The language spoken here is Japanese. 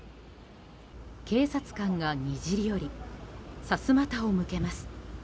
警察官がにじり寄りさすまたを向けます。